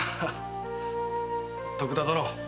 徳田殿。